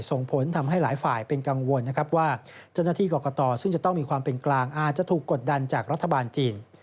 ส่งผลทำให้หลายฝ่ายเป็นกังวลนะครับว่าเจ้าหน้าที่กรกตซึ่งจะต้องมีความเป็นกลางอาจจะถูกกดดันจากรัฐบาลจีน